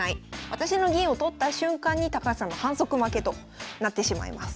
私の銀を取った瞬間に高橋さんの反則負けとなってしまいます。